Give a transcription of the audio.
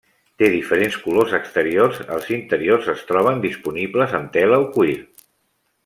Té diferents colors exteriors, els interiors es troben disponibles amb tela o cuir.